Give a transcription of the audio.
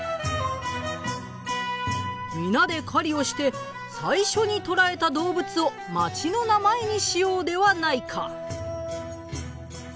「皆で狩りをして最初に捕らえた動物を街の名前にしようではないか」。